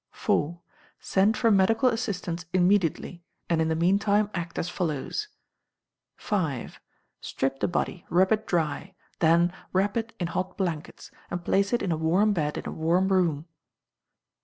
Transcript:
iv. Send for medical assistance immediately, and in the meantime act as follows: v. Strip the body, rub it dry: then wrap it in hot blankets, and place it in a warm bed in a warm room.